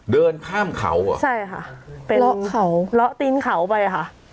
เดินข้ามเขาเหรอใช่ค่ะไปเลาะเขาเลาะตีนเขาไปค่ะ